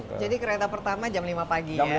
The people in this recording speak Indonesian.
jadi kereta pertama jam lima paginya